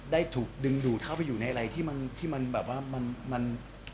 ได้ถูกดึงดูดเข้าไปอยู่ในอะไรที่มันแบบว่ามัน